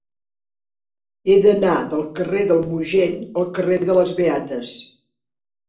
He d'anar del carrer del Mogent al carrer de les Beates.